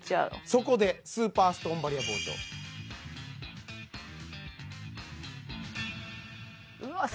そこでスーパーストーンバリア包丁うわっ